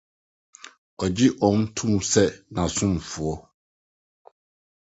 ogye wɔn tom sɛ n’asomfo.